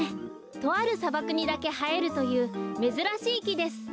とあるさばくにだけはえるというめずらしいきです。